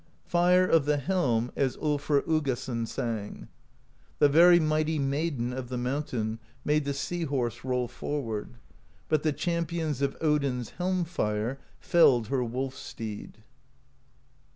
Fire of the Helm, as Ulfr Uggason sang: The very mighty Maiden Of the Mountain made the Sea Horse Roll forward, but the Champions Of Odin's Helm Fire felled her Wolf Steed.